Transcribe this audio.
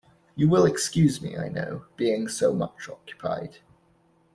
You will excuse me, I know, being so much occupied.